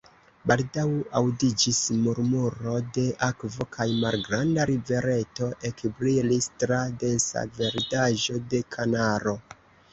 Baldaŭ aŭdiĝis murmuro de akvo, kaj malgranda rivereto ekbrilis tra densa verdaĵo de kanaro.